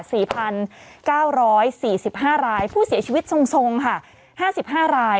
สี่พันเก้าร้อยสี่สิบห้ารายผู้เสียชีวิตทรงทรงค่ะห้าสิบห้าราย